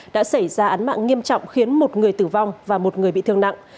đã xảy ra án mạng nghiêm trọng khiến một người tử vong và một người bị thương nặng